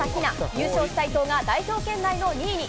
優勝した伊藤が代表圏内の２位に。